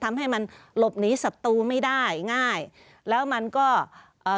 ทำให้มันหลบหนีศัตรูไม่ได้ง่ายแล้วมันก็เอ่อ